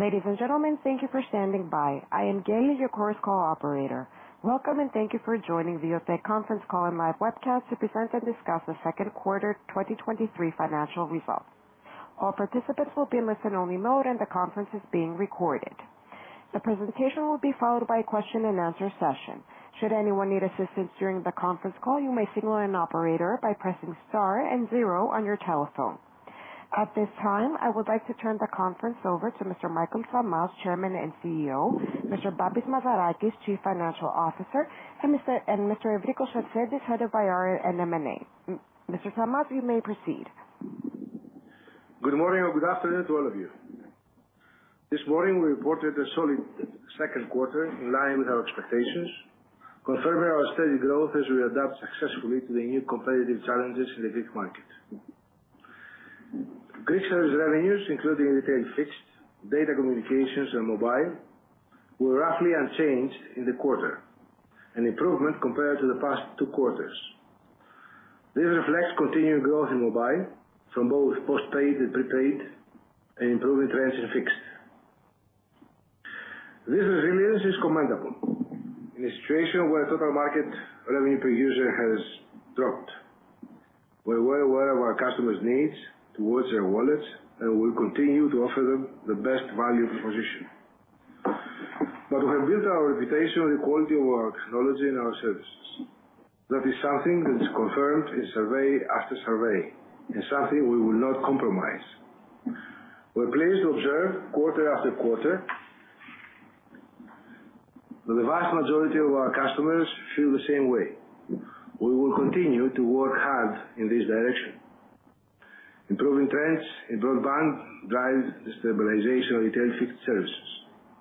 Ladies and gentlemen, thank you for standing by. I am Geilis, your chorus call operator. Welcome, and thank you for joining the OTE conference call and live webcast to present and discuss the second quarter 2023 financial results. All participants will be in listen only mode, and the conference is being recorded. The presentation will be followed by a question and answer session. Should anyone need assistance during the conference call, you may signal an operator by pressing star and zero on your telephone. At this time, I would like to turn the conference over to Mr. Michael Tsamaz, Chairman and CEO, Mr. Babis Mazarakis, Chief Financial Officer, and Mr. Evrikos Sarsentis, Head of IR and M&A. Mr. Tsamaz, you may proceed. Good morning or good afternoon to all of you. This morning we reported a solid second quarter in line with our expectations, confirming our steady growth as we adapt successfully to the new competitive challenges in the Greek market. Greek service revenues, including retail, fixed, data communications, and mobile, were roughly unchanged in the quarter, an improvement compared to the past two quarters. This reflects continued growth in mobile from both postpaid and prepaid and improving trends in fixed. This resilience is commendable. In a situation where total market revenue per user has dropped, we're well aware of our customers' needs towards their wallets, and we'll continue to offer them the best value proposition. We have built our reputation on the quality of our technology and our services. That is something that is confirmed in survey after survey and something we will not compromise. We're pleased to observe quarter after quarter that the vast majority of our customers feel the same way. We will continue to work hard in this direction. Improving trends in broadband drive the stabilization of retail fixed services.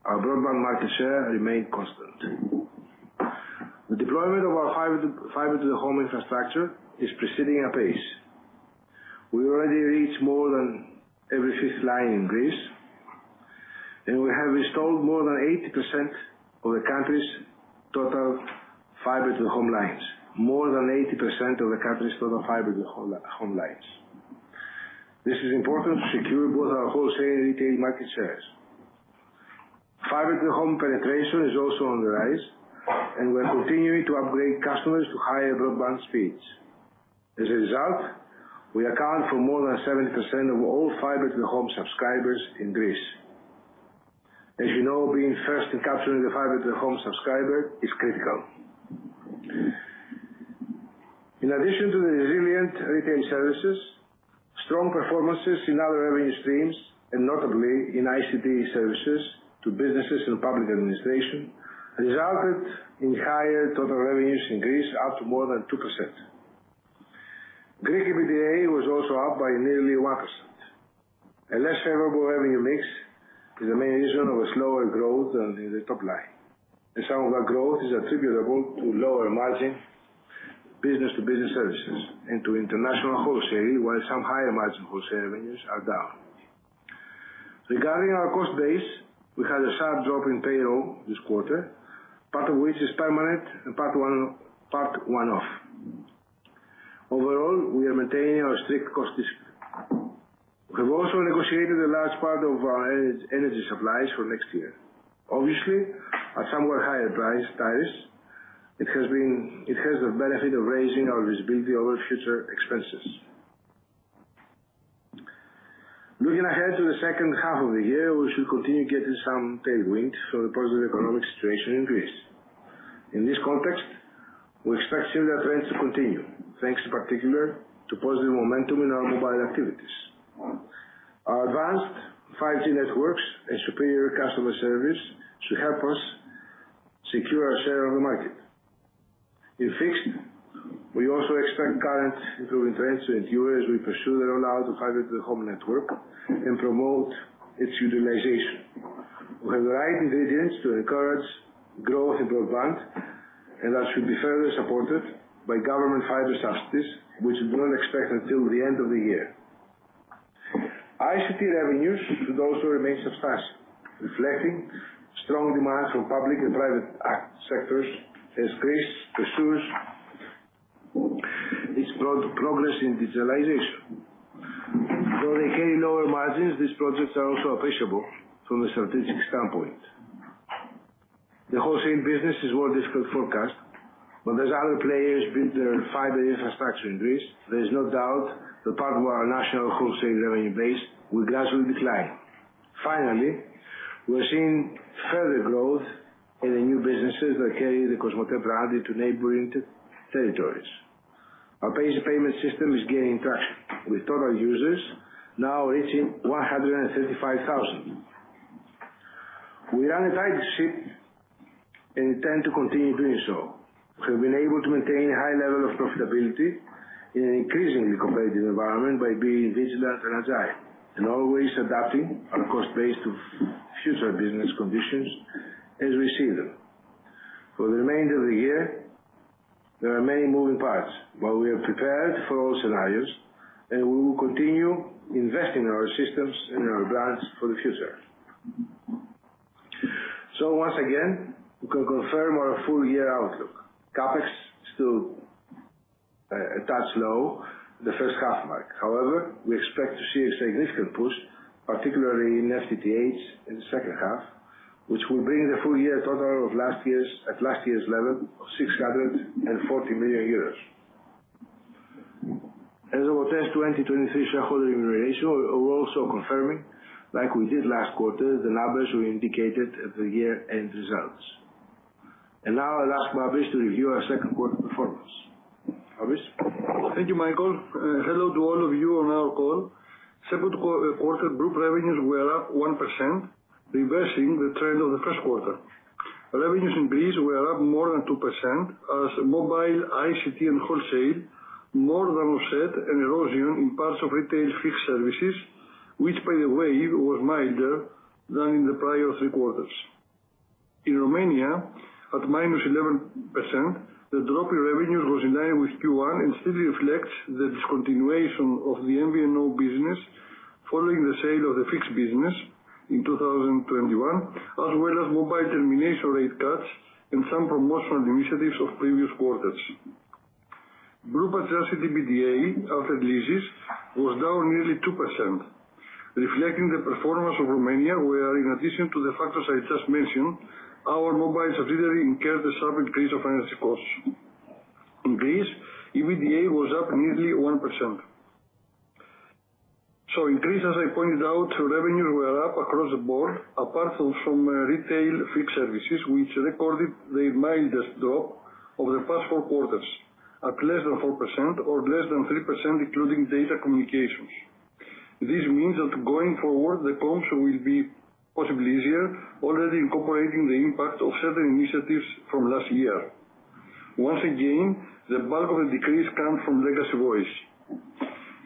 Our broadband market share remained constant. The deployment of our fiber to the home infrastructure is proceeding at pace. We already reached more than every fifth line in Greece, and we have installed more than 80% of the country's total fiber to the home lines. More than 80% of the country's total fiber to the home lines. This is important to secure both our wholesale and retail market shares. Fiber to the home penetration is also on the rise, and we're continuing to upgrade customers to higher broadband speeds. As a result, we account for more than 70% of all fiber to the home subscribers in Greece. As you know, being first in capturing the fiber to the home subscriber is critical. In addition to the resilient retail services, strong performances in other revenue streams and notably in ICT services to businesses and public administration, resulted in higher total revenues in Greece, up to more than 2%. Greek EBITDA was also up by nearly 1%. A less favorable revenue mix is the main reason of a slower growth than in the top line, and some of that growth is attributable to lower margin business-to-business services and to international wholesaling, while some higher margin wholesale revenues are down. Regarding our cost base, we had a sharp drop in payroll this quarter, part of which is permanent and part one-off. Overall, we are maintaining our strict cost discipline. We've also negotiated a large part of our energy supplies for next year. Obviously, at somewhat higher price ties, it has been... It has the benefit of raising our visibility over future expenses. Looking ahead to the second half of the year, we should continue getting some tailwinds from the positive economic situation in Greece. In this context, we expect similar trends to continue, thanks in particular to positive momentum in our mobile activities. Our advanced 5G networks and superior customer service should help us secure our share on the market. In fixed, we also expect current improving trends to endure as we pursue the rollout of fiber to the home network and promote its utilization. We have the right initiatives to encourage growth in broadband, and that should be further supported by government fiber subsidies, which is not expected until the end of the year. ICT revenues should also remain substantial, reflecting strong demand from public and private act sectors as Greece pursues its broad progress in digitalization. Though they carry lower margins, these projects are also appreciable from a strategic standpoint. The wholesaling business is more difficult to forecast, but there's other players build their fiber infrastructure in Greece. There is no doubt that part of our national wholesaling revenue base will gradually decline. We are seeing further growth in the new businesses that carry the Cosmote brand into neighboring territories. Our basic payment system is gaining traction, with total users now reaching 135,000. We run a tight ship and intend to continue doing so. We've been able to maintain a high level of profitability in an increasingly competitive environment by being vigilant and agile and always adapting our cost base to future business conditions as we see them. For the remainder of the year, there are many moving parts, but we are prepared for all scenarios, and we will continue investing in our systems and in our brands for the future. Once again, we can confirm our full year outlook. CapEx is still a touch low in the first half mark. However, we expect to see a significant push, particularly in FTTH in the second half, which will bring the full year total of last year's, at last year's level of 640 million euros. As for our test 2023 shareholder ratio, we're also confirming, like we did last quarter, the numbers we indicated at the year-end results. Now I'll ask Babis to review our second quarter performance. Babis? Thank you, Michael. Hello to all of you on our call. Second quarter group revenues were up 1%, reversing the trend of the first quarter. Revenues in Greece were up more than 2%, as mobile, ICT, and wholesale more than offset an erosion in parts of retail fixed services, which by the way, was milder than in the prior three quarters. In Romania, at -11%, the drop in revenues was in line with Q1 and still reflects the discontinuation of the MVNO business following the sale of the fixed business in 2021, as well as mobile termination rate cuts and some promotional initiatives of previous quarters. Group adjusted EBITDA after leases was down nearly 2%, reflecting the performance of Romania, where in addition to the factors I just mentioned, our mobile subsidiary incurred a sharp increase of energy costs. In Greece, EBITDA was up nearly 1%. In Greece, as I pointed out, revenues were up across the board, apart from, from retail fixed services, which recorded the mildest drop over the past four quarters, at less than 4% or less than 3%, including data communications. This means that going forward, the comps will be possibly easier, already incorporating the impact of certain initiatives from last year. Once again, the bulk of the decrease comes from legacy voice.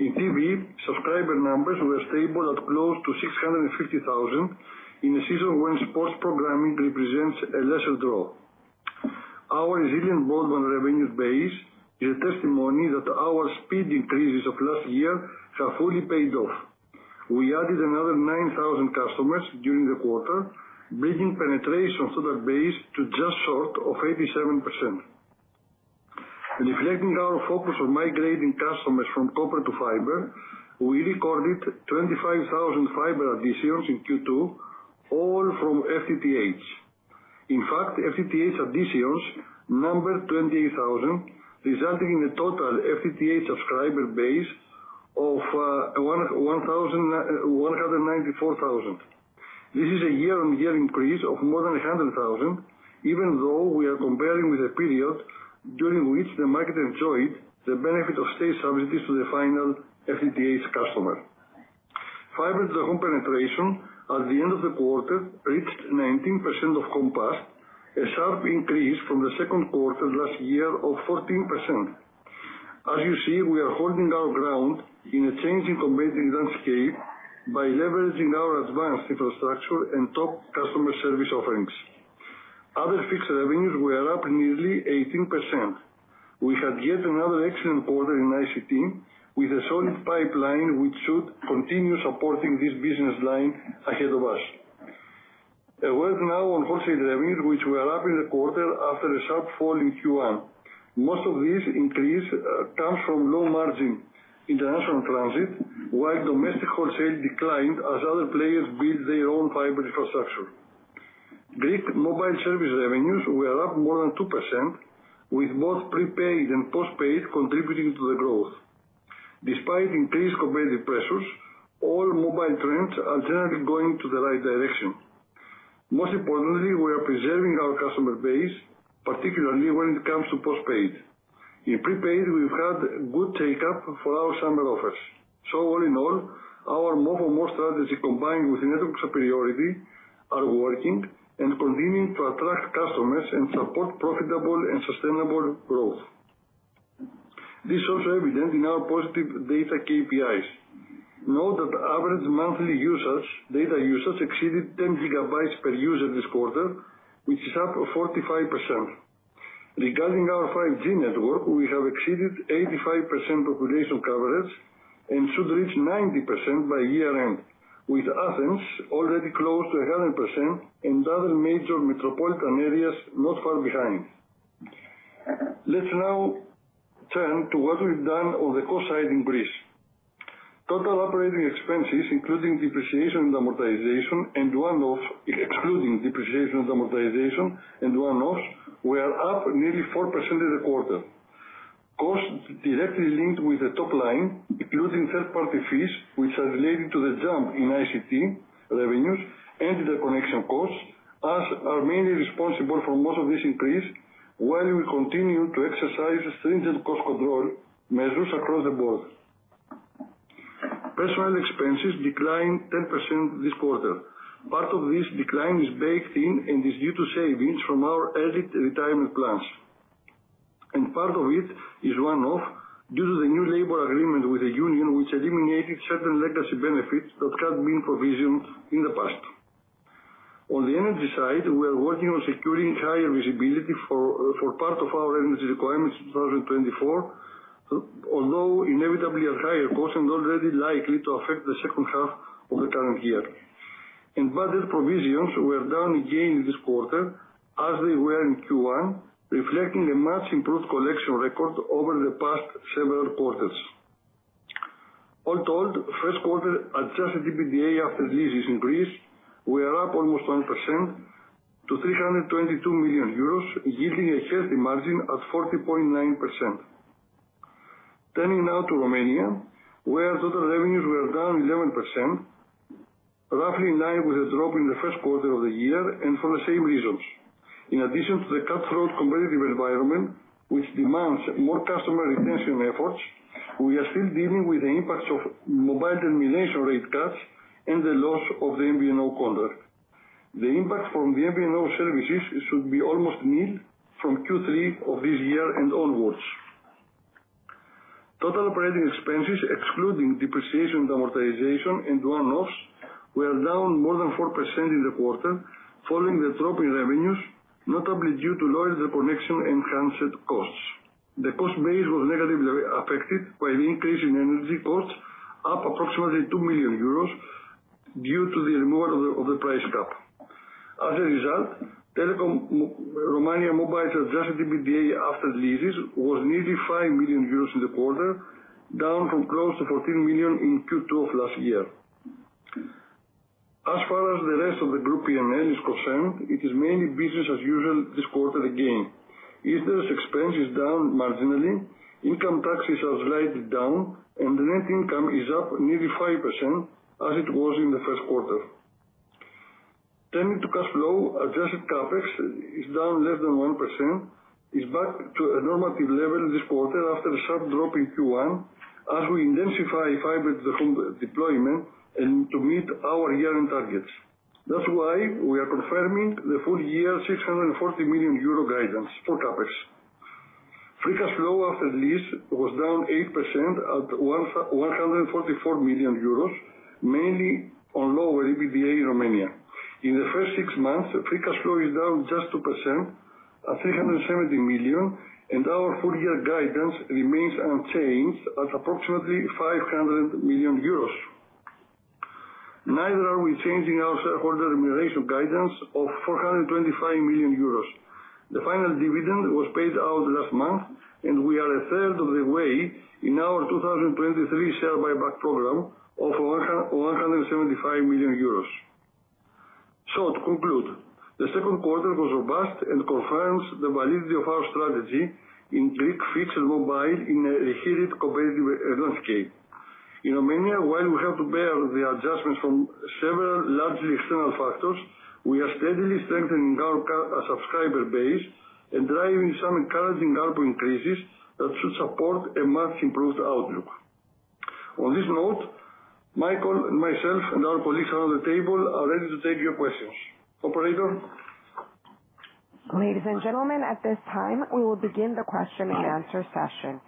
In TV, subscriber numbers were stable at close to 650,000 in a season when sports programming represents a lesser draw. Our resilient broadband revenues base is a testimony that our speed increases of last year have fully paid off. We added another 9,000 customers during the quarter, bringing penetration of solar base to just short of 87%. Reflecting our focus on migrating customers from copper to fiber, we recorded 25,000 fiber additions in Q2, all from FTTH. In fact, FTTH additions number 28,000, resulting in a total FTTH subscriber base of 194,000. This is a year-on-year increase of more than 100,000, even though we are comparing with a period during which the market enjoyed the benefit of state subsidies to the final FTTH customer. Fiber to the home penetration at the end of the quarter reached 19% of Cosmote, a sharp increase from the second quarter last year of 14%. You see, we are holding our ground in a changing competitive landscape by leveraging our advanced infrastructure and top customer service offerings. Other fixed revenues were up nearly 18%. We had yet another excellent quarter in ICT, with a solid pipeline which should continue supporting this business line ahead of us. A word now on wholesale revenues, which were up in the quarter after a sharp fall in Q1. Most of this increase comes from low margin international transit, while domestic wholesale declined as other players build their own fiber infrastructure. Greek mobile service revenues were up more than 2%, with both prepaid and postpaid contributing to the growth. Despite increased competitive pressures, all mobile trends are generally going to the right direction. Most importantly, we are preserving our customer base, particularly when it comes to postpaid. In prepaid, we've had good take-up for our summer offers. All in all, our mobile More strategy, combined with network superiority, are working and continuing to attract customers and support profitable and sustainable growth. This is also evident in our positive data KPIs. Note that average monthly usage, data usage, exceeded 10 GB per user this quarter, which is up 45%. Regarding our 5G network, we have exceeded 85% population coverage and should reach 90% by year-end, with Athens already close to 100% and other major metropolitan areas not far behind. Let's now turn to what we've done on the cost side in Greece. Total operating expenses, excluding depreciation and amortization and one-offs, were up nearly 4% in the quarter. Costs directly linked with the top line, including third-party fees, which are related to the jump in ICT revenues and the connection costs, are mainly responsible for most of this increase, while we continue to exercise stringent cost control measures across the board. Personnel expenses declined 10% this quarter. Part of this decline is baked in and is due to savings from our exit retirement plans, and part of it is one-off due to the new labor agreement with the union, which eliminated certain legacy benefits that had been provisioned in the past. On the energy side, we are working on securing higher visibility for part of our energy requirements in 2024. Although inevitably at higher costs and already likely to affect the second half of the current year. Budget provisions were down again this quarter, as they were in Q1, reflecting a much improved collection record over the past several quarters. All told, first quarter adjusted EBITDA after leases were up almost 20% to 322 million euros, yielding a healthy margin at 40.9%. Turning now to Romania, where total revenues were down 11%, roughly in line with a drop in the first quarter of the year, and for the same reasons. In addition to the cutthroat competitive environment, which demands more customer retention efforts, we are still dealing with the impacts of mobile termination rate cuts and the loss of the MVNO contract. The impact from the MVNO services should be almost nil from Q3 of this year and onwards. Total operating expenses, excluding depreciation, amortization, and one-offs, were down more than 4% in the quarter, following the drop in revenues, notably due to lower connection and handset costs. The cost base was negatively affected by the increase in energy costs, up approximately 2 million euros due to the removal of the price cap. As a result, Telekom Romania Mobile adjusted EBITDA after leases was nearly 5 million euros in the quarter, down from close to 14 million in Q2 of last year. As far as the rest of the group P&L is concerned, it is mainly business as usual this quarter again. Interest expense is down marginally, income taxes are slightly down, The net income is up nearly 5%, as it was in the first quarter. Turning to cash flow, adjusted CapEx is down less than 1%, is back to a normative level this quarter after a sharp drop in Q1, as we intensify fiber to the home deployment and to meet our year-end targets. That's why we are confirming the full year 640 million euro guidance for CapEx. Free cash flow after lease was down 8% at 144 million euros, mainly on lower EBITDA in Romania. In the first six months, free cash flow is down just 2% at 370 million. Our full year guidance remains unchanged at approximately 500 million euros. Neither are we changing our shareholder remuneration guidance of 425 million euros. The final dividend was paid out last month. We are a third of the way in our 2023 share buyback program of 175 million euros. To conclude, the second quarter was robust and confirms the validity of our strategy in Greek fixed mobile in a heated competitive landscape. In Romania, while we have to bear the adjustments from several largely external factors, we are steadily strengthening our cu- subscriber base and driving some encouraging ARPU increases that should support a much improved outlook. On this note, Michael and myself and our colleagues around the table are ready to take your questions. Operator? Ladies and gentlemen, at this time, we will begin the question and answer session.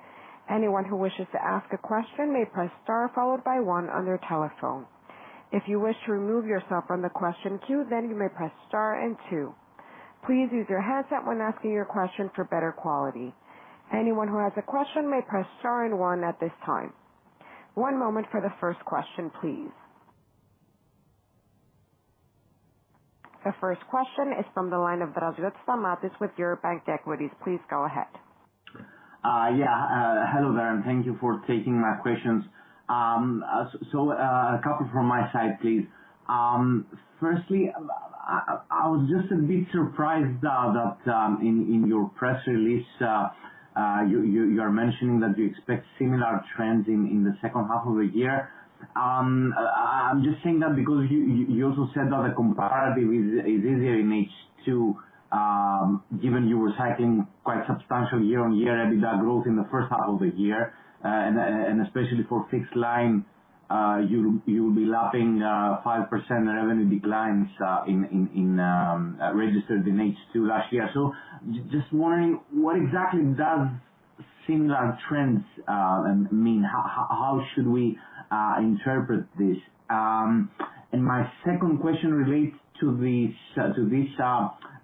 Anyone who wishes to ask a question may press star followed by one on their telephone. If you wish to remove yourself from the question queue, then you may press star and two. Please use your headset when asking your question for better quality. Anyone who has a question may press star and one at this time. One moment for the first question, please. The first question is from the line of Draziotis Stamatios with Eurobank Equities. Please go ahead. Yeah, hello there, and thank you for taking my questions. A couple from my side, please. Firstly, I was just a bit surprised that in your press release, you are mentioning that you expect similar trends in the second half of the year. I'm just saying that because you also said that the comparative is easier in H2, given you were hacking quite substantial year-on-year EBITDA growth in the first half of the year. Especially for fixed line, you will be lapping 5% revenue declines registered in H2 last year. Just wondering, what exactly does similar trends mean? How should we interpret this? My second question relates to this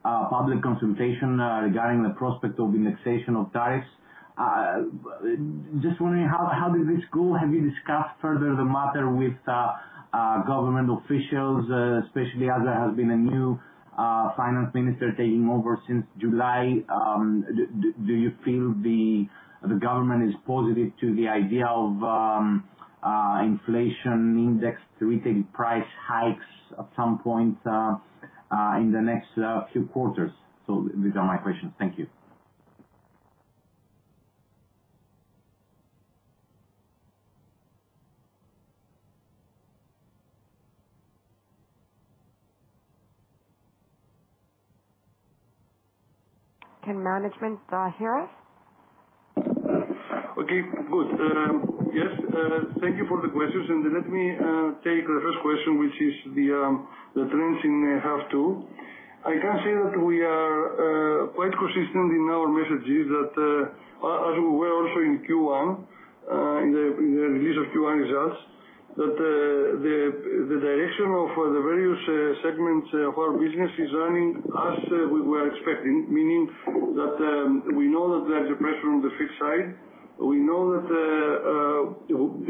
public consultation regarding the prospect of indexation of tariffs. Just wondering, how did this go? Have you discussed further the matter with government officials, especially as there has been a new finance minister taking over since July? Do you feel the government is positive to the idea of inflation index to retail price hikes at some point in the next few quarters? These are my questions. Thank you. Can management hear us? Okay, good. Yes, thank you for the questions, and let me take the first question, which is the trends in half two. I can say that we are quite consistent in our messages that as we were also in Q1 in the release of Q1 results, that the direction of the various segments of our business is running as we were expecting. Meaning that, we know that there are depression on the fixed side, we know that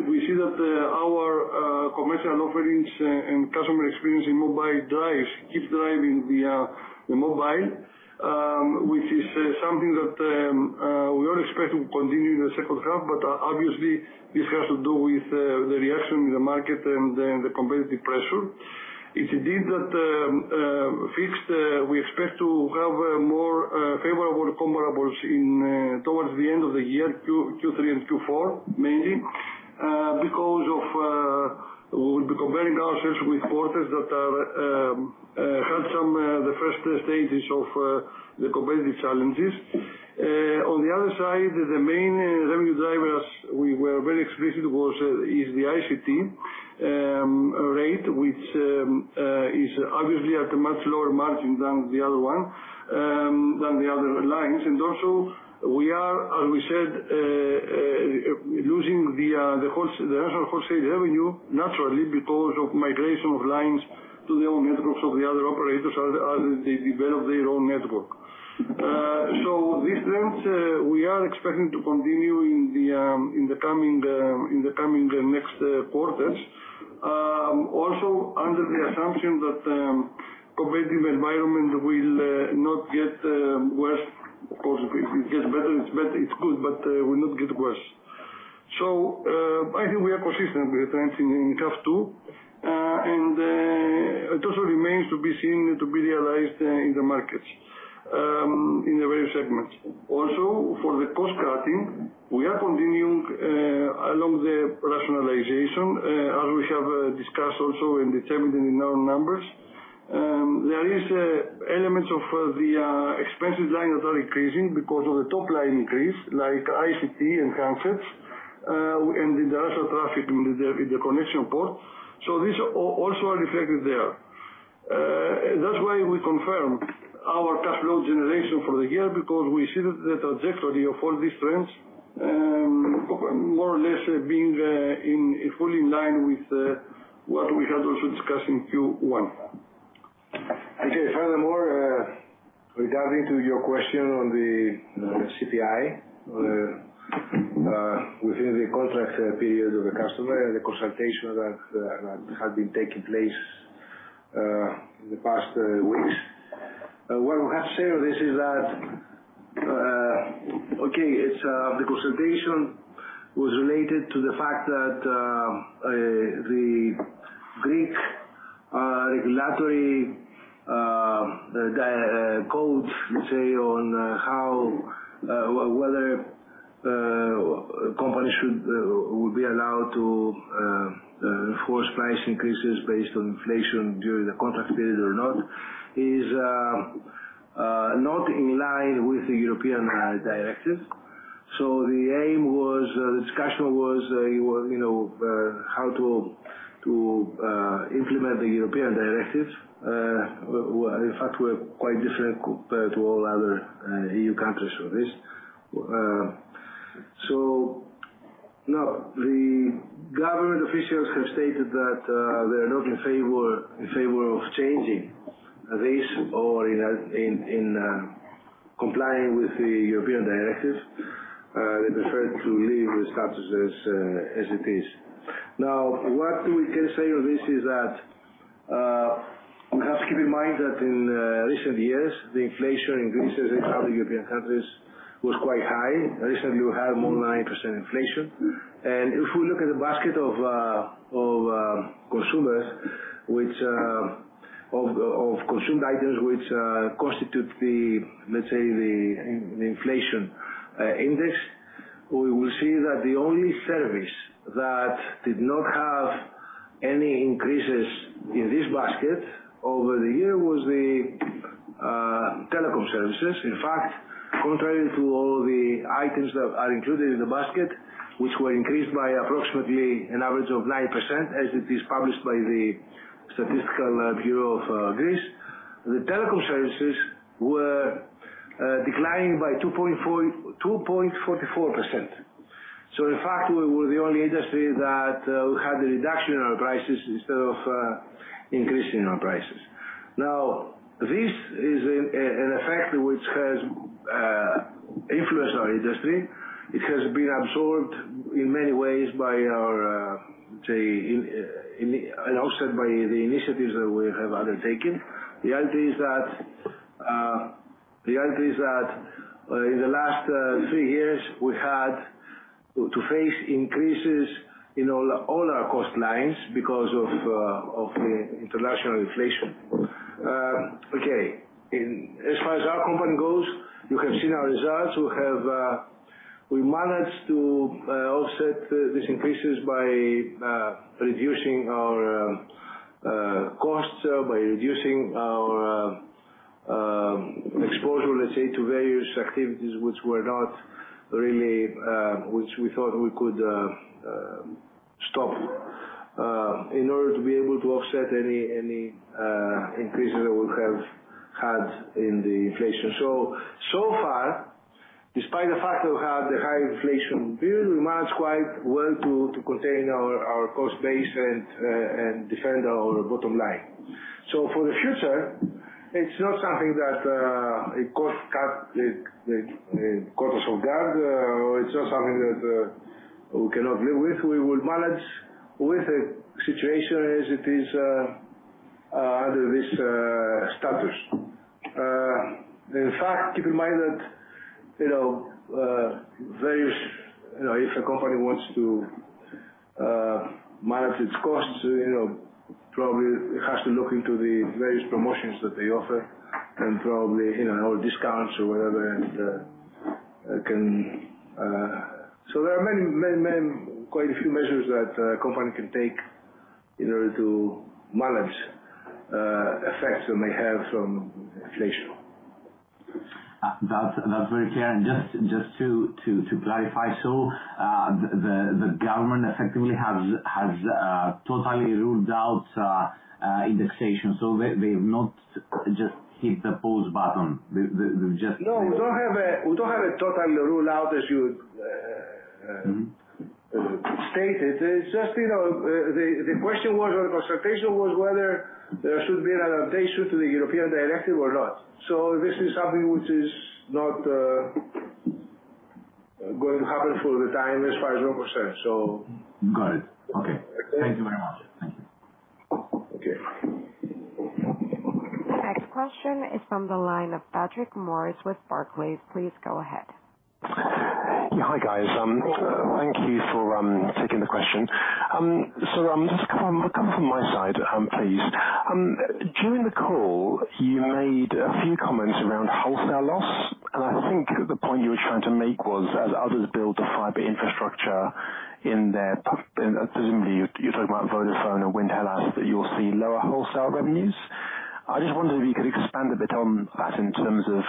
we see that our commercial offerings and customer experience in mobile drives, keeps driving the mobile. Which is something that we all expect to continue in the second half, but obviously this has to do with the reaction in the market and then the competitive pressure. It is indeed that fixed, we expect to have a more favorable comparables in towards the end of the year, Q3 and Q4, mainly. Because of, we'll be comparing ourselves with quarters that are had some the first stages of the competitive challenges. On the other side, the main revenue drivers, we were very explicit, was, is the ICT rate, which is obviously at a much lower margin than the other one than the other lines. Also we are, as we said, losing the the whole, the national wholesale revenue, naturally, because of migration of lines to their own networks of the other operators as, as they develop their own network. This trends, we are expecting to continue in the coming, in the coming next quarters. Also under the assumption that competitive environment will not get worse. Of course, if it gets better, it's better, it's good, but will not get worse. I think we are consistent with the trends in half two. It also remains to be seen, to be realized, in the markets, in the various segments. Also, for the cost cutting, we are continuing along the rationalization, as we have discussed also and determined in our numbers. There is elements of the expensive lines that are increasing because of the top line increase, like ICT and connectivity, and the international traffic in the connectivity part. This also are reflected there. That's why we confirm our cash flow generation for the year, because we see that the trajectory of all these trends, more or less being in, fully in line with, what we had also discussed in Q1. Furthermore, regarding to your question on the CPI within the contract period of the customer and the consultation that had been taking place in the past weeks. What we have to say on this is that, okay, it's, the consultation was related to the fact that the Greek regulatory code, let's say, on how whether company should would be allowed to enforce price increases based on inflation during the contract period or not, is not in line with the European directives. The aim was, the discussion was, you know, how to, to, implement the European directives. In fact, we're quite different compared to all other EU countries for this. Now, the government officials have stated that they are not in favor, in favor of changing this or in, in, complying with the European directives. They prefer to leave the status as it is. What we can say on this is that we have to keep in mind that in recent years, the inflation increases in other European countries was quite high. Recently, you had more than 9% inflation, and if we look at the basket of consumers, which of consumed items, which constitute the, let's say, the inflation index, we will see that the only service that did not have any increases in this basket over the year was the telecom services. In fact, contrary to all the items that are included in the basket, which were increased by approximately an average of 9%, as it is published by the Hellenic Statistical Authority, the telecom services were declining by 2.44%. In fact, we were the only industry that had a reduction in our prices instead of increasing our prices. This is an effect which has influenced our industry. It has been absorbed in many ways by our say in, and also by the initiatives that we have undertaken. The reality is that the reality is that in the last three years, we had to face increases in all, all our cost lines because of the international inflation. Okay, in as far as our company goes, you have seen our results. We have, we managed to offset these increases by reducing our costs, by reducing our exposure, let's say, to various activities which were not really, which we thought we could stop, in order to be able to offset any, any increases that we have had in the inflation. So far, despite the fact that we have the high inflation period, we managed quite well to, to contain our, our cost base and and defend our bottom line. For the future, it's not something that a cost cut, like, that caught us off guard, or it's not something that we cannot live with. We will manage with the situation as it is under this status. In fact, keep in mind that, you know, various, you know, if a company wants to manage its costs, you know, probably it has to look into the various promotions that they offer and probably, you know, or discounts or whatever, and can... There are many, many, many, quite a few measures that a company can take in order to manage, effects that may have from inflation. That's, that's very clear. Just, just to, to, to clarify, so, the, the, the government effectively has, has, totally ruled out, indexation, so they, they've not just hit the pause button, they, they, they've just- No, we don't have a, we don't have a total rule out as you... Mm-hmm. stated. It's just, you know, the, the, the question was, or the consultation was whether there should be an adaptation to the European directive or not. This is something which is not going to happen for the time, as far as we're concerned, so. Got it. Okay. Okay. Thank you very much. Thank you. Okay. Next question is from the line of Patrick Maurice with Barclays. Please go ahead. Yeah. Hi, guys. Thank you for taking the question. Just come from my side, please. During the call, you made a few comments around wholesale loss, and I think the point you were trying to make was, as others build the fiber infrastructure in their p- and presumably you, you're talking about Vodafone and Wind Hellas, that you'll see lower wholesale revenues. I just wondered if you could expand a bit on that in terms of,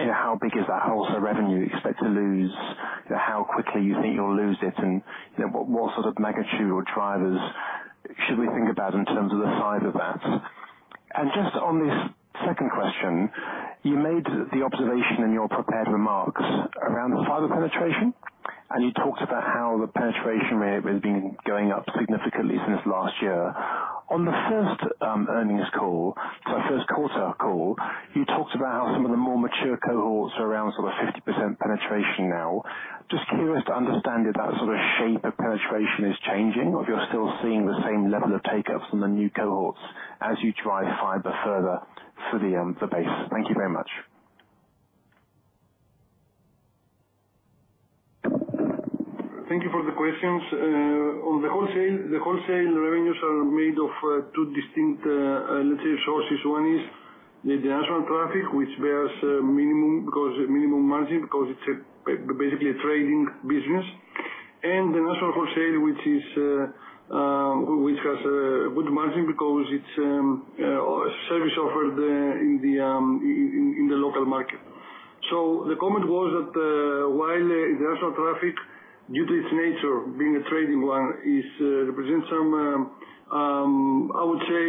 you know, how big is that wholesale revenue you expect to lose, how quickly you think you'll lose it, and, you know, what, what sort of magnitude or drivers should we think about in terms of the size of that? Just on this second question, you made the observation in your prepared remarks around the fiber penetration, and you talked about how the penetration rate has been going up significantly since last year. On the first earnings call, so first quarter call, you talked about how some of the more mature cohorts are around sort of 50% penetration now. Just curious to understand if that sort of shape of penetration is changing, or if you're still seeing the same level of take-ups from the new cohorts as you drive fiber further for the base. Thank you very much. Thank you for the questions. On the wholesale, the wholesale revenues are made of two distinct, let's say sources. One is the international traffic, which bears minimum, because minimum margin, because it's basically a trading business. The national wholesale, which is, which has a good margin because it's service offered in the in in the local market. The comment was that while the international traffic, due to its nature, being a trading one, is represents some, I would say,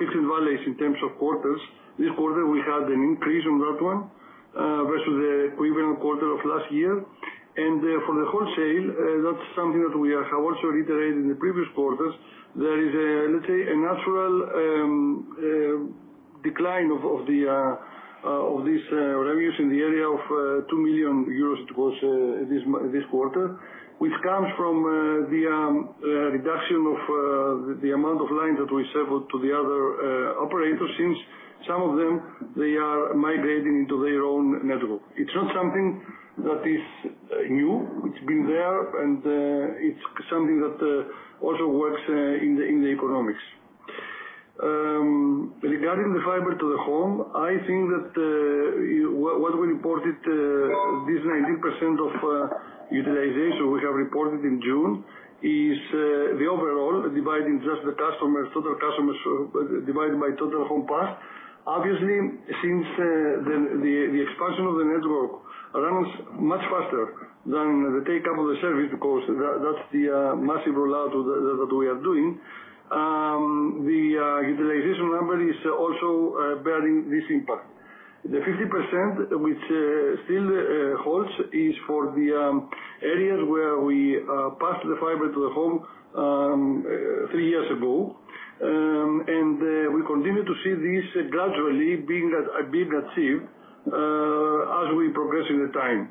peaks and valleys in terms of quarters. This quarter, we had an increase on that one, versus the equivalent quarter of last year. For the wholesale, that's something that we have also reiterated in the previous quarters. There is a, let's say, a natural decline of, of the, of these revenues in the area of 2 million euros towards this quarter. Which comes from the reduction of the amount of lines that we sell to the other operators, since some of them, they are migrating into their own network. It's not something that is new. It's been there, and it's something that also works in the, in the economics. Regarding the fiber to the home, I think that what, what we reported, this 19% of utilization we have reported in June is the overall, dividing just the customers, total customers, divided by total homes passed. Obviously, since the, the, the expansion of the network runs much faster than the take-up of the service, because that, that's the massive rollout that, that we are doing, the utilization number is also bearing this impact. The 50%, which still holds, is for the areas where we passed the fiber to the home three years ago. We continue to see this gradually being as being achieved as we progress in the time.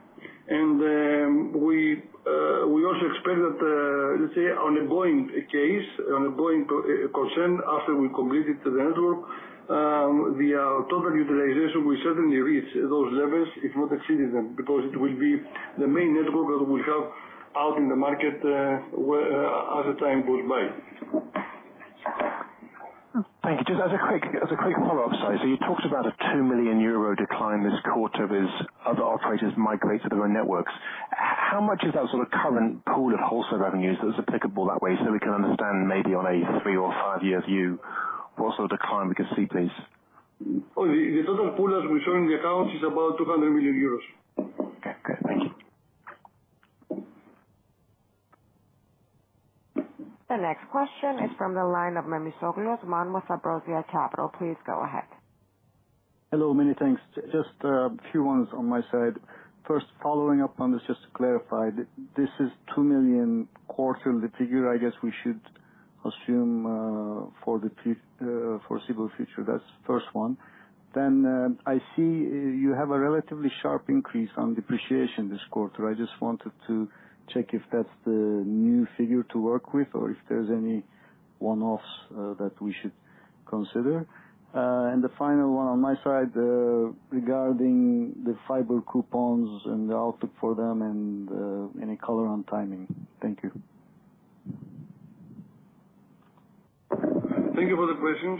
We also expect that, let's say, on a going case, on a going concern, after we've completed the network, the total utilization will certainly reach those levels, if not exceed them. Because it will be the main network that we have out in the market, where, as the time goes by. Thank you. Just as a quick, as a quick follow-up, sorry. You talked about a 2 million euro decline this quarter as other operators migrate to their own networks. How much is that sort of current pool of wholesale revenues that is applicable that way, so we can understand maybe on a three or five-year view, what sort of decline we could see, please? Oh, the total pool as we show in the account is about EUR 200 million. Okay, good. Thank you. The next question is from the line of Memisoglu Osman with Ambrosia Capital. Please go ahead. Hello, many thanks. Just a few ones on my side. First, following up on this, just to clarify, this is 2 million quarterly figure, I guess we should assume for the foreseeable future. That's first one. I see you have a relatively sharp increase on depreciation this quarter. I just wanted to check if that's the new figure to work with or if there's any one-offs that we should consider. The final one on my side, regarding the fiber coupons and the outlook for them and any color on timing. Thank you. Thank you for the questions.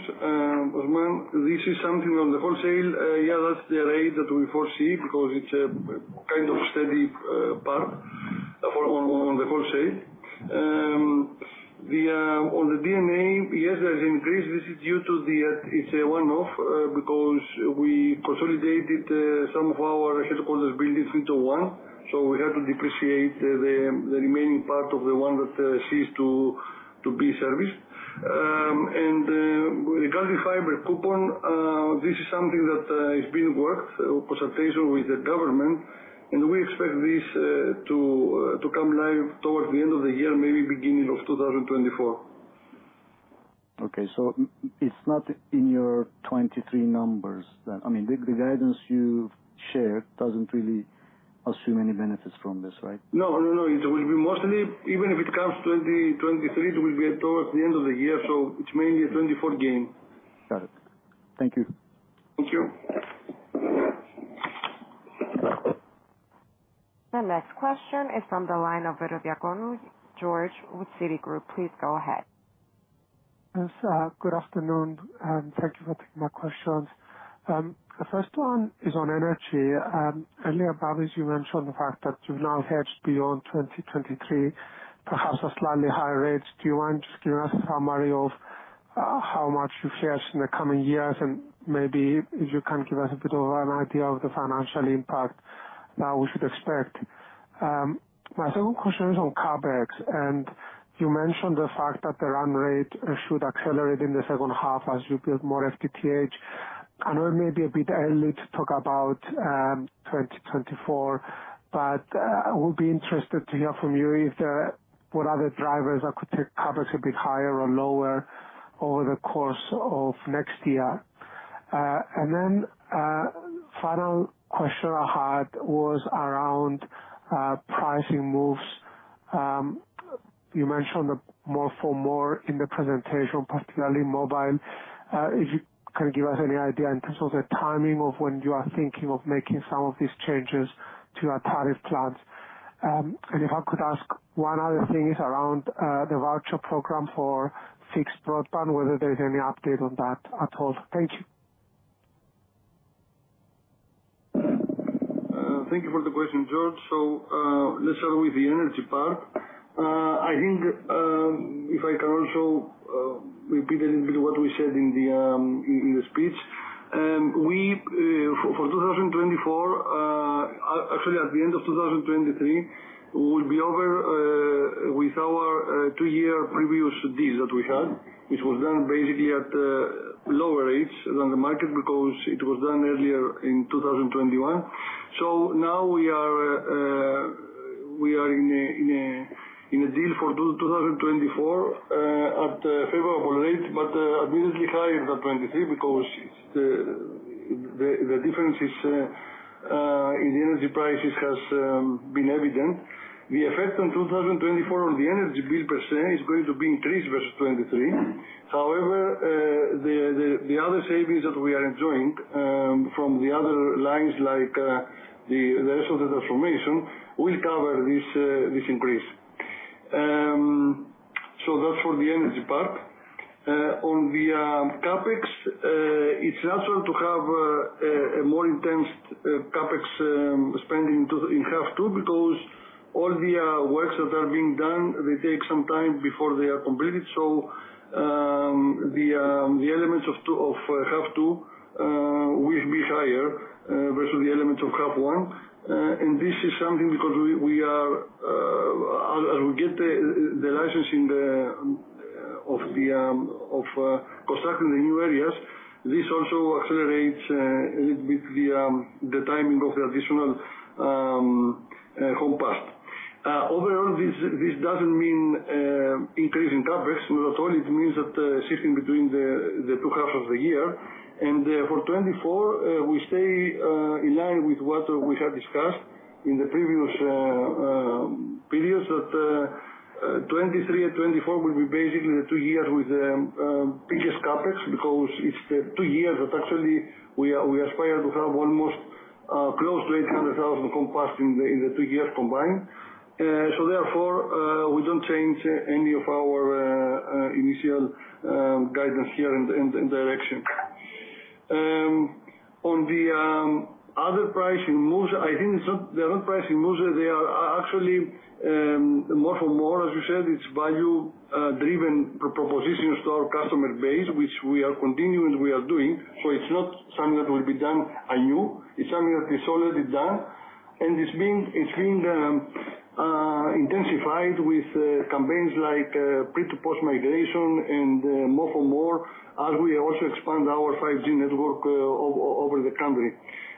Well, this is something on the wholesale, yeah, that's the rate that we foresee, because it's a, a kind of steady part for on, on, on the wholesale. The on the D&A, yes, there is increase. This is due to the it's a one-off, because we consolidated some of our headquarters buildings into one, so we had to depreciate the, the, the remaining part of the one that ceased to, to be serviced. Regarding fiber coupon, this is something that is being worked in consultation with the government, and we expect this to to come live towards the end of the year, maybe beginning of 2024. Okay, it's not in your 2023 numbers then? I mean, the guidance you've shared doesn't really assume any benefits from this, right? No, no, no. It will be mostly, even if it comes to the 2023, it will be towards the end of the year, so it's mainly a 2024 gain. Got it. Thank you. Thank you. The next question is from the line of Ierodiaconou, George with Citigroup. Please go ahead. Yes, good afternoon, thank you for taking my questions. The first one is on energy. Earlier, Babis, you mentioned the fact that you've now hedged beyond 2023, perhaps at slightly higher rates. Do you mind just giving us a summary of how much you've hedged in the coming years, and maybe if you can give us a bit of an idea of the financial impact that we should expect? My second question is on CapEx, and you mentioned the fact that the run rate should accelerate in the second half as you build more FTTH. I know it may be a bit early to talk about 2024, but I would be interested to hear from you if there, what other drivers are could take CapEx a bit higher or lower over the course of next year. Then, final question I had was around pricing moves. You mentioned the More-for-More in the presentation, particularly mobile. If you can give us any idea in terms of the timing of when you are thinking of making some of these changes to our tariff plans. If I could ask one other thing is around the voucher program for fixed broadband, whether there is any update on that at all. Thank you. Thank you for the question, George. Let's start with the energy part. I think, if I can also repeat a little bit what we said in the speech. We, for 2024, actually, at the end of 2023, we will be over with our two-year previous deal that we had, which was done basically at lower rates than the market because it was done earlier in 2021. Now we are, we are in a deal for 2024 at a favorable rate, but admittedly higher than 2023 because the difference in energy prices has been evident. The effect on 2024 on the energy bill per se, is going to be increased versus 2023. The other savings that we are enjoying from the other lines, like the rest of the transformation, will cover this increase. That's for the energy part. On the CapEx, it's natural to have a more intense CapEx spending in half two, because all the works that are being done, they take some time before they are completed. The elements of half two will be higher versus the elements of half one. This is something because we, we are, as, as we get the, the license in the of the of constructing the new areas, this also accelerates a little bit, the timing of the additional compact. Overall, this, this doesn't mean increase in CapEx at all. It means that shifting between the two halves of the year. For 2024, we stay in line with what we have discussed in the previous periods, that 2023 and 2024 will be basically the two years with biggest CapEx, because it's the two years that actually we aspire to have almost close to 800,000 compact in the two years combined. Therefore, we don't change any of our initial guidance here and direction. On the pricing moves, I think it's not, they're not pricing moves, they are actually More-for-More, as you said, it's value driven propositions to our customer base, which we are continuing, we are doing. It's not something that will be done anew, it's something that is already done. It's being, it's being intensified with campaigns like pre-to-post migration and More-for-More, as we also expand our 5G network over the country.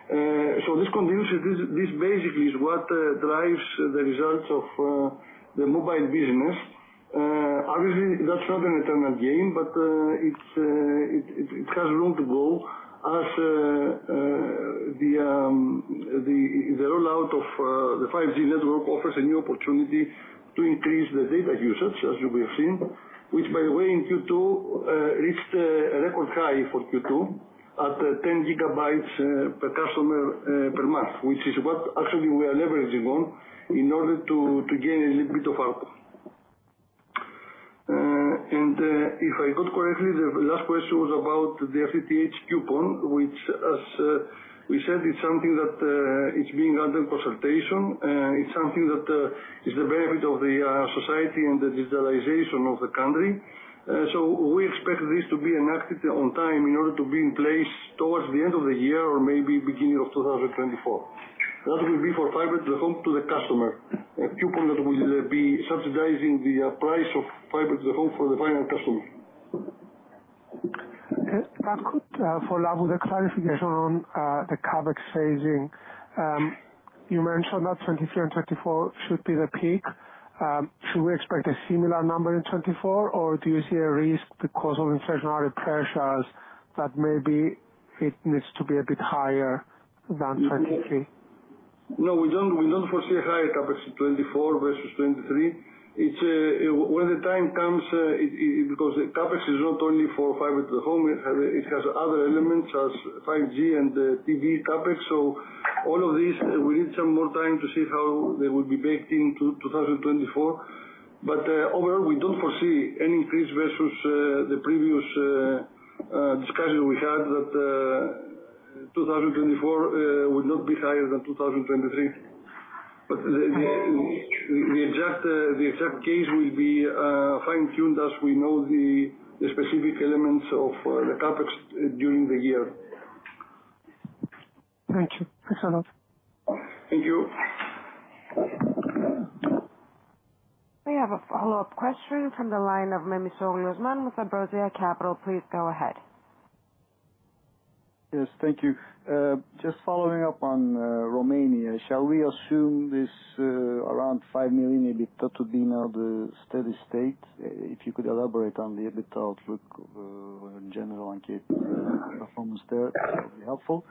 This continues, this basically is what drives the results of the mobile business. Obviously, that's not an eternal game, but it's, it, it, it has room to go as the rollout of the 5G network offers a new opportunity to increase the data usage, as you will have seen. Which, by the way, in Q2 reached a record high for Q2, at 10 GB per customer per month, which is what actually we are leveraging on in order to, to gain a little bit of output. If I got correctly, the last question was about the FTTH coupon, which as we said, it's something that it's being under consultation. It's something that is the benefit of the society and the digitalization of the country. We expect this to be enacted on time in order to be in place towards the end of the year or maybe beginning of 2024. That will be for Fiber To The Home, to the customer. A coupon that will be subsidizing the price of Fiber To The Home for the final customer. If I could follow up with a clarification on the CapEx phasing. You mentioned that 2024 should be the peak. Should we expect a similar number in 2024, or do you see a risk because of inflationary pressures, that maybe it needs to be a bit higher than 2023? No, we don't, we don't foresee a higher CapEx in 2024 versus 2023. It's, when the time comes, it, it, because CapEx is not only for Fiber To The Home, it has, it has other elements, as 5G and, TV CapEx. All of these, we need some more time to see how they will be baked in 2024. But overall, we don’t foresee an increase versus the previous discussion we had that 2024 would not be higher than 2023. The, the, the exact, the exact case will be fine-tuned as we know the, the specific elements of the CapEx during the year. Thank you. That's all. Thank you. We have a follow-up question from the line of Memisoglu Osman with Ambrosia Capital. Please go ahead. Yes, thank you. Just following up on Romania, shall we assume this around 5 million EBITDA to be now the steady state? If you could elaborate on the EBITDA outlook, in general, and keep performance there, that would be helpful.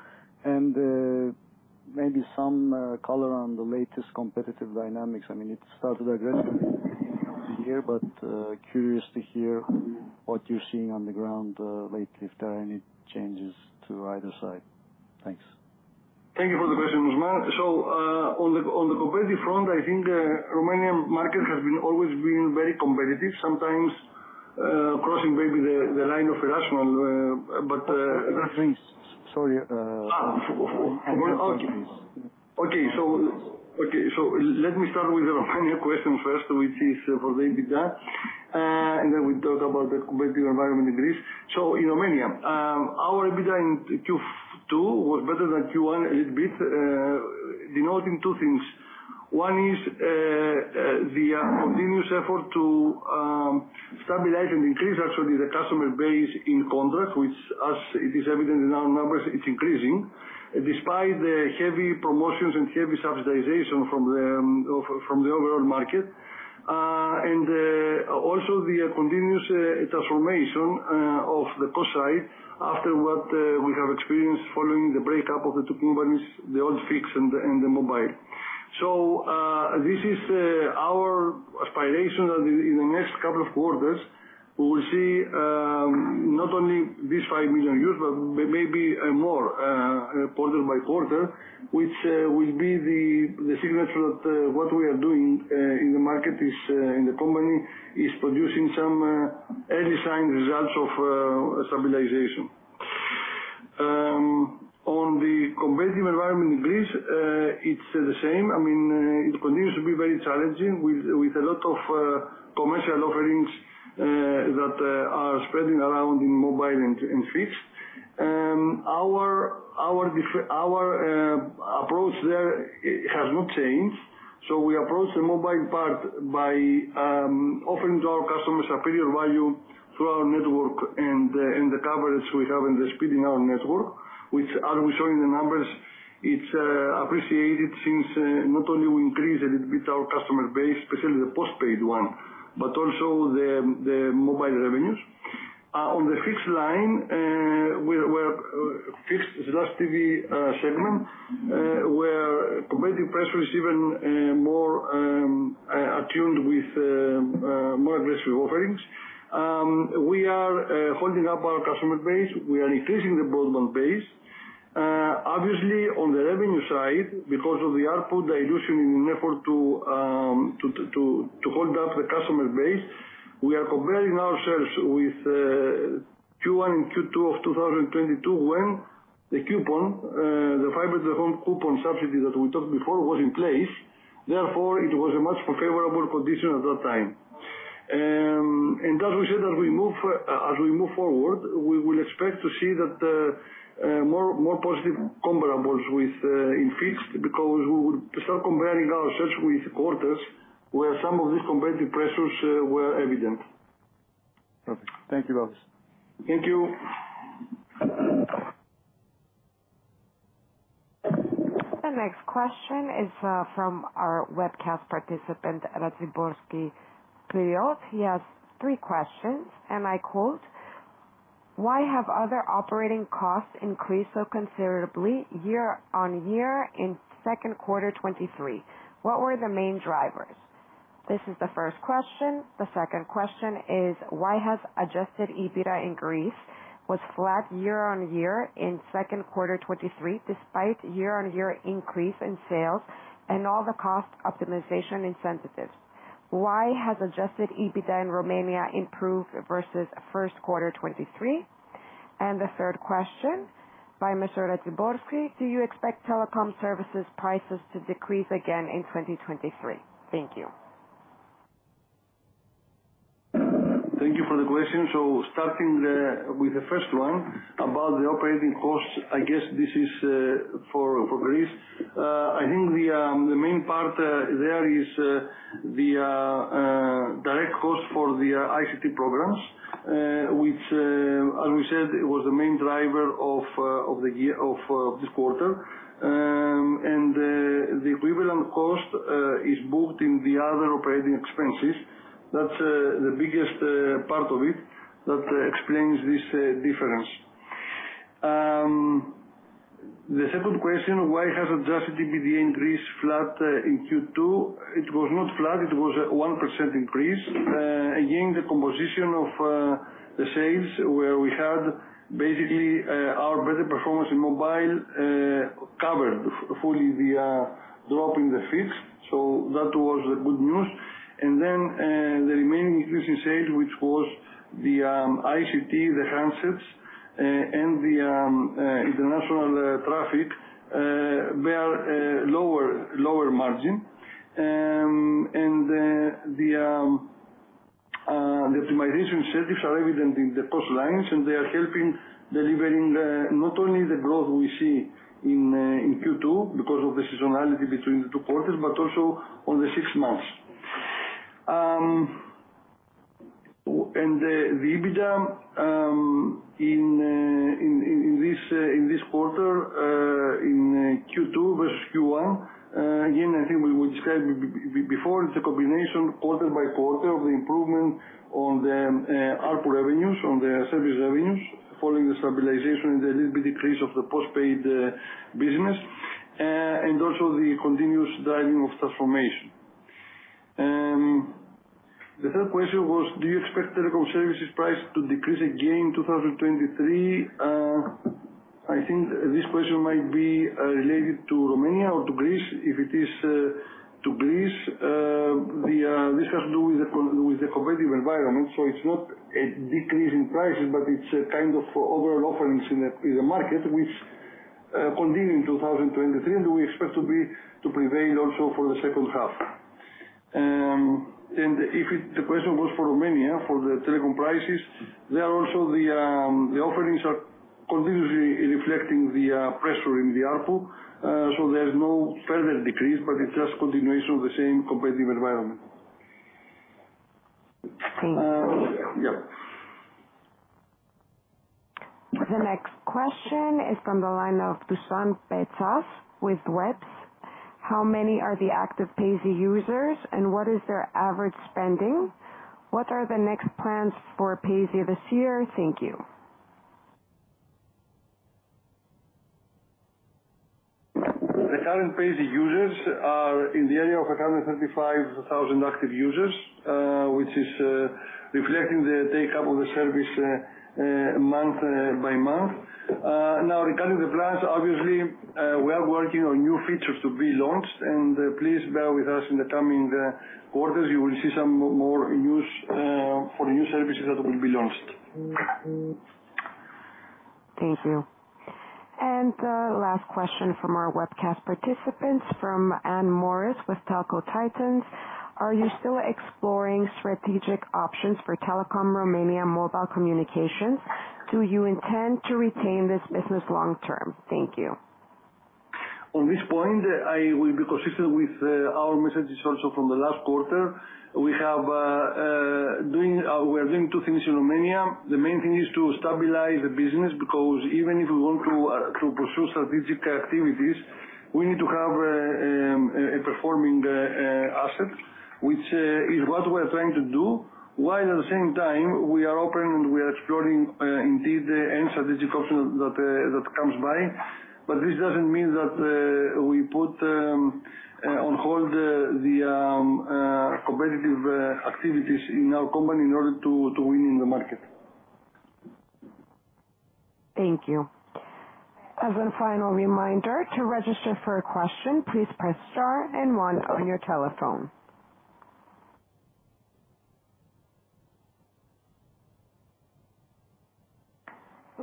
Maybe some color on the latest competitive dynamics. I mean, it started aggressively here, but curious to hear what you're seeing on the ground lately, if there are any changes to either side. Thanks. Thank you for the question, Osman. On the, on the competitive front, I think, Romanian market has been always been very competitive, sometimes, crossing maybe the, the line of irrational, but... Sorry. Okay. Let me start with the Romania question first, which is for the EBITDA, and then we talk about the competitive environment in Greece. In Romania, our EBITDA in Q2 was better than Q1 a little bit, denoting two things. One is the continuous effort to stabilize and increase actually the customer base in contract, which as it is evident in our numbers, it's increasing. Despite the heavy promotions and heavy subsidization from the from the overall market. Also the continuous transformation of the cost side after what we have experienced following the breakup of the two companies, the old fixed and the mobile. So this is our aspiration that in the next couple of quarters, we will see not only this 5 million, but maybe more, quarter by quarter, which will be the signature of what we are doing in the market is in the company, is producing some early sign results of stabilization. On the competitive environment in Greece, it's the same. I mean, it continues to be very challenging with a lot of commercial offerings that are spreading around in mobile and fixed. Our approach there, it has not changed We approach the mobile part by offering to our customers a greater value through our network and the coverage we have and the speeding our network, which are we showing the numbers, it's appreciated since not only we increased it with our customer base, especially the postpaid one, but also the mobile revenues. On the fixed line, we're, we're fixed the [last] TV segment where competitive pressure is even more attuned with more aggressive offerings. We are holding up our customer base. We are increasing the broadband base. Obviously, on the revenue side, because of the ARPU dilution in an effort to hold up the customer base, we are comparing ourselves with Q1 and Q2 of 2022, when the coupon, the Fiber To The Home coupon subsidy that we talked before was in place, therefore, it was a much more favorable condition at that time. As we said, as we move, as we move forward, we will expect to see that more, more positive comparables with in fixed because we would start comparing ourselves with quarters where some of these competitive pressures were evident. Perfect. Thank you, Babis. Thank you. The next question is from our webcast participant, Raciborski Piotr. He has three questions, and I quote: "Why have other operating costs increased so considerably year-over-year in second quarter 2023? What were the main drivers?" This is the first question. The second question is: "Why has adjusted EBITDA in Greece was flat year-on-year in second quarter 2023, despite year-on-year increase in sales and all the cost optimization incentives? Why has adjusted EBITDA in Romania improved versus first quarter 2023?" The third question by Mr. Raciborski: "Do you expect telecom services prices to decrease again in 2023? Thank you. Thank you for the question. Starting the, with the first one about the operating costs, I guess this is for, for Greece. I think the, the main part there is the direct cost for the ICT programs, which, as we said, it was the main driver of the year of this quarter. The equivalent cost is booked in the other operating expenses. That's the biggest part of it. That explains this difference. The second question: Why has adjusted EBITDA increase flat in Q2? It was not flat, it was a 1% increase. Again, the composition of the sales, where we had basically our better performance in mobile, covered f-fully the drop in the fixed. That was the good news. The remaining increase in sales, which was the ICT, the handsets, and the international traffic, they are lower, lower margin. The optimization initiatives are evident in the cost lines, and they are helping delivering not only the growth we see in Q2, because of the seasonality between the two quarters, but also on the six months. The EBITDA in in in this in this quarter in Q2 versus Q1, again, I think we described before, it's a combination quarter by quarter of the improvement on the output revenues, on the service revenues, following the stabilization and the little bit decrease of the post-paid business, and also the continuous driving of transformation. The third question was: Do you expect telecom services price to decrease again in 2023? I think this question might be related to Romania or to Greece. If it is to Greece, the this has to do with the competitive environment, so it's not a decrease in prices, but it's a kind of overall offerings in the market, which continued in 2023, and we expect to be, to prevail also for the second half. And if it, the question was for Romania, for the telecom prices, they are also the, the offerings are continuously reflecting the pressure in the ARPU. So there's no further decrease, but it's just continuation of the same competitive environment. Thank you. yep. The next question is from the line of Dusan Petsas with Webbs. How many are the active Payzy users, and what is their average spending? What are the next plans for Payzy this year? Thank you. The current Payzy users are in the area of 135,000 active users, which is reflecting the take-up of the service, month by month. Now, regarding the plans, obviously, we are working on new features to be launched, and please bear with us in the coming quarters. You will see some more use for the new services that will be launched. Thank you. Last question from our webcast participants, from Anne Morris with Telco Titans. Are you still exploring strategic options for Telekom Romania Mobile Communications? Do you intend to retain this business long term? Thank you. On this point, I will be consistent with our messages also from the last quarter. We are doing two things in Romania. The main thing is to stabilize the business, because even if we want to to pursue strategic activities, we need to have a a performing asset, which is what we're trying to do, while at the same time we are open and we are exploring indeed any strategic option that that comes by. This doesn't mean that we put on hold the the competitive activities in our company in order to to win in the market. Thank you. As a final reminder, to register for a question, please press star and one on your telephone.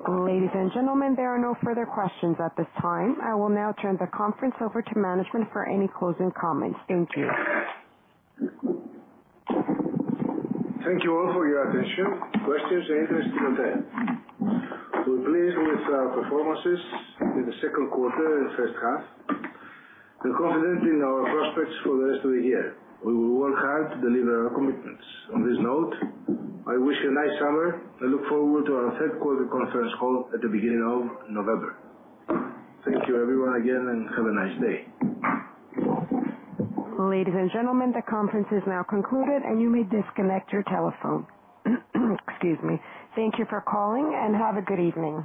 Ladies and gentlemen, there are no further questions at this time. I will now turn the conference over to management for any closing comments. Thank you. Thank you all for your attention, questions and interest to the day. We're pleased with our performances in the second quarter and first half. We're confident in our prospects for the rest of the year. We will work hard to deliver our commitments. On this note, I wish you a nice summer and look forward to our third quarter conference call at the beginning of November. Thank you, everyone, again, and have a nice day. Ladies and gentlemen, the conference is now concluded, and you may disconnect your telephone. Excuse me. Thank you for calling, and have a good evening.